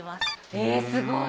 えすごい！